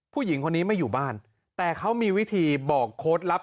ผู้หญิงคนนี้ไม่อยู่บ้านแต่เขามีวิธีบอกโค้ดลับ